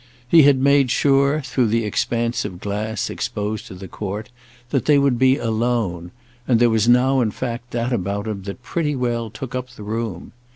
He had made sure, through the expanse of glass exposed to the court, that they would be alone; and there was now in fact that about him that pretty well took up the room.